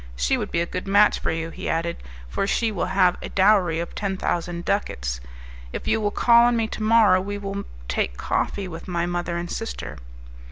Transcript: "She would be a good match for you," he added, "for she will have a dowry of ten thousand ducats. If you will call on me to morrow, we will take coffee with my mother and sister."